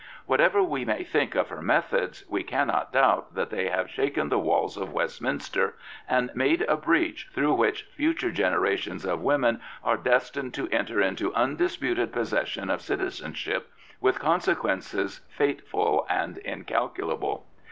Whatever we may think of her methods, we cannot doubt that they have shaken the walls of Westminster and made a breach through which future generations of women are destined to enter into undisputed possession of citizenship, with con sequences fateful and incalculable.